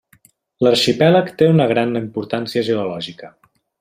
L'arxipèlag té una gran importància geològica.